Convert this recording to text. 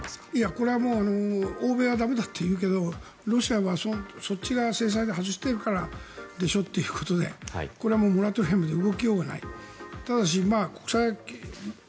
これは欧米は駄目だというけどロシアはそっち側が制裁で外してるからでしょってことでこれはもうモラトニアムで動きようがない。